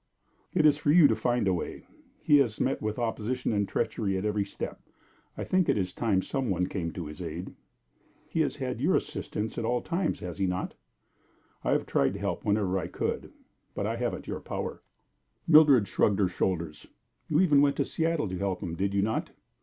"It is for you to find a way. He has met with opposition and treachery at every step; I think it is time some one came to his aid." "He has had your assistance at all times, has he not?" "I have tried to help wherever I could, but I haven't your power." Mildred shrugged her shoulders. "You even went to Seattle to help him, did you not?"